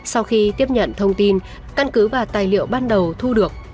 sau khi tiếp nhận thông tin căn cứ và tài liệu ban đầu thu được